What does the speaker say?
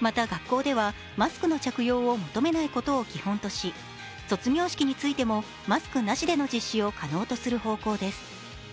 また学校ではマスクの着用を求めないことを基本とし、卒業式についても、マスクなしでの実施を可能とする方向です。